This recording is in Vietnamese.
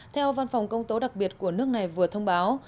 theo văn phòng công tố đặc biệt của nước này vừa thông báo